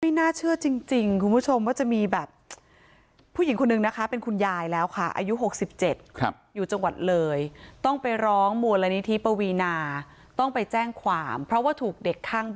ไม่น่าเชื่อจริงคุณผู้ชมว่าจะมีแบบ